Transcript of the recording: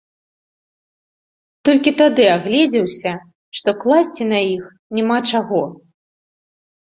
Толькі тады агледзеўся, што класці на іх няма чаго.